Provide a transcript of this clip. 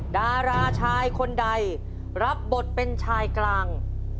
ดาราชายคนใดรับบทเป็นชายกลาง